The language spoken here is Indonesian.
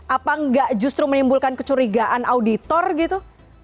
apa nggak justru menimbulkan kecurigaan auditor gitu